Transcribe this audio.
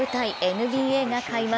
ＮＢＡが開幕。